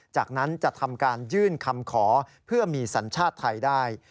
จากนั้นจะทำการยื่นคำขอเพื่อมีสัญชาติไทยได้